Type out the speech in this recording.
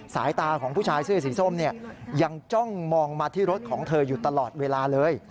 สายตาของผู้ชายเสื้อสีส้มเนี่ยยังจ้องมองมาที่รถของเธออยู่ตลอดเวลาเลย